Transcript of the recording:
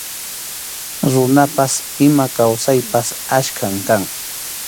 Runapas ima kawsaypas achkam kan.